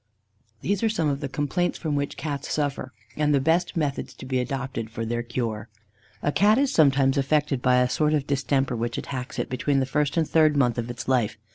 These are some of the complaints from which Cats suffer, and the best methods to be adopted for their cure: A cat is sometimes affected by a sort of distemper which attacks it between the first and third month of its life.